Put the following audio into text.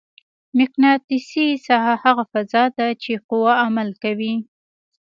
مقناطیسي ساحه هغه فضا ده چې قوه عمل کوي.